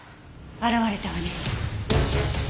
現れたわね。